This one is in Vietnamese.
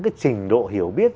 cái trình độ hiểu biết